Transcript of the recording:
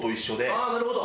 ああなるほど。